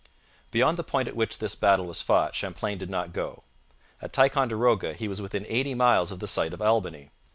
Beyond the point at which this battle was fought Champlain did not go. At Ticonderoga he was within eighty miles of the site of Albany.